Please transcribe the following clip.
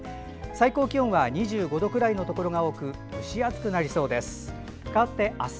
最高気温は２５度くらいのところが多く蒸し暑くなりそうです。